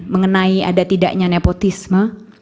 mengenai ada tidaknya nepotisme